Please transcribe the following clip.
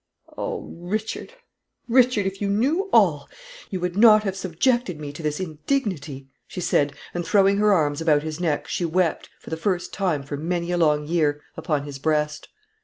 "Oh! Richard, Richard, if you knew all, you would not have subjected me to this indignity," she said; and throwing her arms about his neck, she wept, for the first time for many a long year, upon his breast.